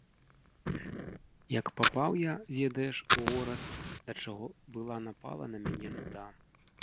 Як папаў я, ведаеш, у горад, да чаго была напала на мяне нуда.